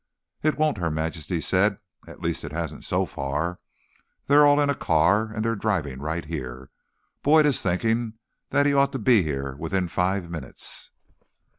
"It won't," Her Majesty said. "At least, it hasn't so far. They're all in a car, and they're driving right here. Boyd is thinking that he ought to be here within five minutes."